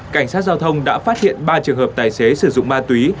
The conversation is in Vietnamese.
cảnh sát giao thông đã phát hiện ba trường hợp tài xế sử dụng ma túy